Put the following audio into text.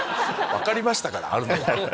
分かりましたからあるのは。